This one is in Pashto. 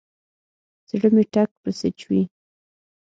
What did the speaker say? زړه مې ټک پسې چوي.